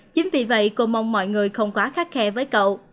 chính vì vậy cô mong mọi người không quá khắt khe với cậu